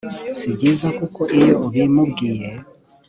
si byiza kuko iyo ubimubwiye